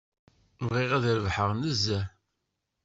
Bɣiɣ ad rebḥeɣ nezzeh.